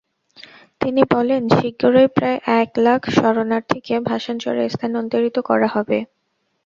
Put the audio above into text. তিনি বলেন, শিগগিরই প্রায় এক লাখ শরণার্থীকে ভাসানচরে স্থানান্তরিত করা হবে।